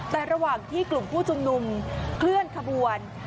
แต่ระหว่างที่กลุ่มผู้ชุมนุมเคลื่อนขบวน